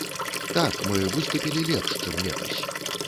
Так, мы выступілі лепш, чым летась.